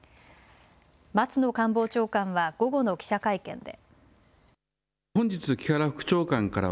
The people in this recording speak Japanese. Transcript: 松野官房長官は午後の記者会見で。